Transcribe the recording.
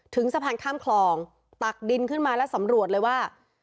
สะพานข้ามคลองตักดินขึ้นมาแล้วสำรวจเลยว่า